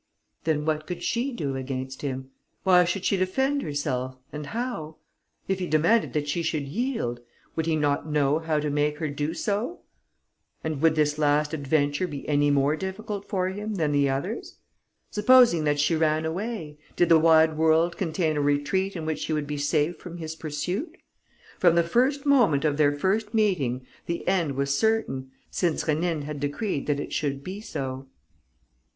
Then what could she do against him? Why should she defend herself and how? If he demanded that she should yield, would he not know how to make her do so and would this last adventure be any more difficult for him than the others? Supposing that she ran away: did the wide world contain a retreat in which she would be safe from his pursuit? From the first moment of their first meeting, the end was certain, since Rénine had decreed that it should be so.